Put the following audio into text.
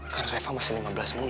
karena reva masih lima belas menit